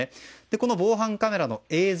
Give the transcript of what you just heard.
この防犯カメラの映像